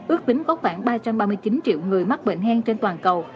ước tính có khoảng ba trăm ba mươi chín triệu người mắc bệnh hen trên toàn cầu